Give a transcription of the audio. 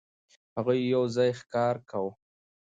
هغوی یو ځای ښکار کاوه.